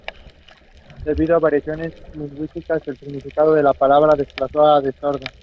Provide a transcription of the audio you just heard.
Debido a variaciones lingüísticas, el significado de la palabra se desplazó a "desorden".